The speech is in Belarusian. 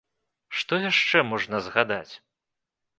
Што яшчэ можна згадаць?